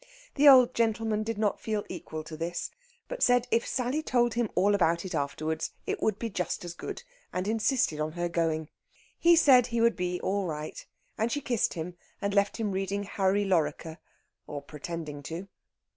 The old gentleman did not feel equal to this, but said if Sally told him all about it afterwards it would be just as good, and insisted on her going. He said he would be all right, and she kissed him and left him reading "Harry Lorrequer," or pretending to.